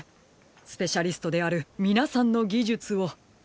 スペシャリストであるみなさんのぎじゅつを。